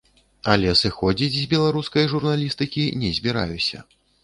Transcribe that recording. Але сыходзіць з беларускай журналістыкі не збіраюся.